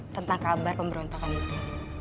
tentang kabar pemberontakan itu